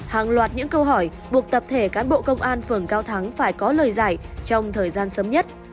hàng loạt những câu hỏi buộc tập thể cán bộ công an phường cao thắng phải có lời giải trong thời gian sớm nhất